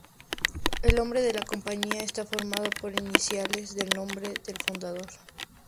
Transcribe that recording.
El nombre de la compañía está formado por iniciales del nombre del fundador.